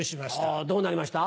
あどうなりました？